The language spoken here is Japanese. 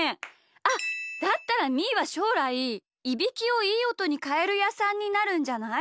あっだったらみーはしょうらいいびきをいいおとにかえるやさんになるんじゃない？